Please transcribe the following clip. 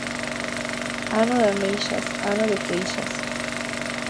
Ano de ameixas, ano de queixas.